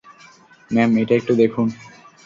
Ma'am, এটা একটু দেখুন।